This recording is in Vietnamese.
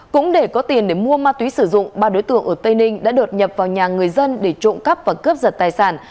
cũng để có tiền để mua ma túy sử dụng ba đối tượng ở tây ninh đã đột nhập vào nhà người dân để trộm cắp và cướp giật tài sản